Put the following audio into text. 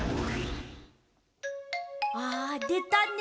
あでたね！